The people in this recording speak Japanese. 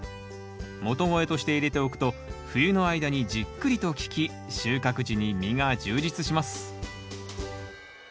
元肥として入れておくと冬の間にじっくりと効き収穫時に実が充実します。